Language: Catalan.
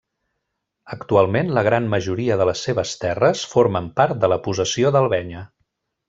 Actualment, la gran majoria de les seves terres formen part de la possessió d'Albenya.